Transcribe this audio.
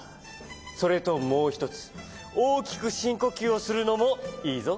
それともうひとつおおきくしんこきゅうをするのもいいぞ。